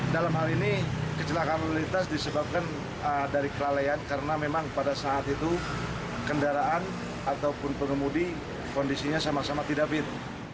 dalam hal ini kecelakaan lintas disebabkan dari kelalaian karena memang pada saat itu kendaraan ataupun pengemudi kondisinya sama sama tidak fit